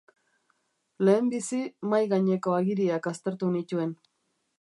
Lehenbizi, mahai gaineko agiriak aztertu nituen.